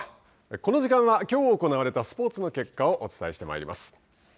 この時間はきょう行われたスポーツの結果をお伝えしてまいります。